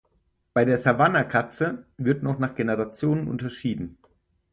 Bei der "Savannah-Katze" wird noch nach Generationen unterschieden.